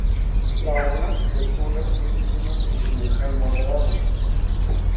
La óblast de Tula tiene un clima continental moderado.